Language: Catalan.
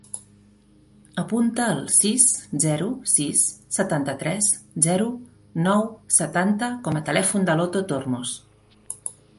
Apunta el sis, zero, sis, setanta-tres, zero, nou, setanta com a telèfon de l'Otto Tormos.